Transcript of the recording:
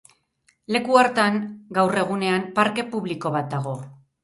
Leku hartan, gaur egunean, parke publiko bat dago.